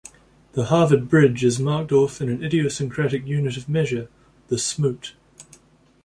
The Harvard Bridge is marked off in an idiosyncratic unit of measure, the "smoot".